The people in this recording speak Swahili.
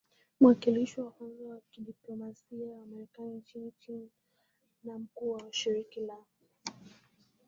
mwakilishi wa kwanza wa kidiplomasia wa Marekani nchini China na mkuu wa Shirika la